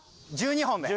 １２本で。